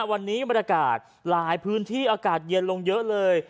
วันนี้บรรยากาศหลายพื้นที่อากาศเย็นลงเยอะเลย